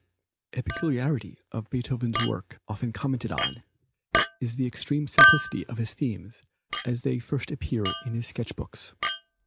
A peculiarity of Beethoven's work often commented on, is the extreme simplicity of his themes as they first appear in his sketch books.